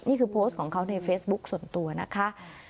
นี่คือโพสต์ของเขาในเฟซบุ๊คส่วนตัวนะคะ